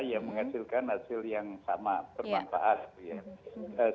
yang menghasilkan hasil yang sama bermanfaat